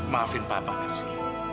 maafin papa mercy